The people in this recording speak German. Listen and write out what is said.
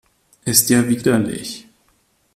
Ist ja widerlich!